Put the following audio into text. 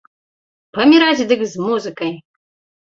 Паміраць дык з музыкай!